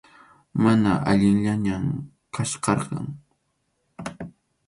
Mana allinllañam kachkarqan.